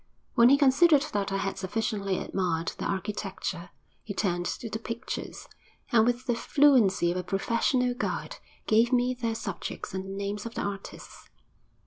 When he considered that I had sufficiently admired the architecture, he turned to the pictures, and, with the fluency of a professional guide, gave me their subjects and the names of the artists.